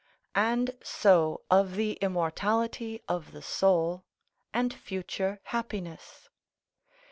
And so of the immortality of the soul, and future happiness.